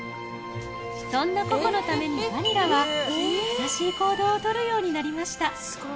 そんなここのためにバニラは優しい行動を取るようになりました